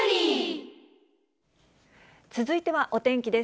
続いてはお天気です。